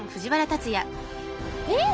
えっ！